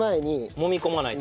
もみ込まないとね。